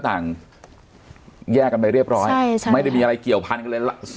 ต่างแยกกันไปเรียบร้อยไม่ได้มีอะไรเกี่ยวพันกันเลย